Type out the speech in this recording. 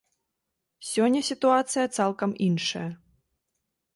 Сёння сітуацыя цалкам іншая.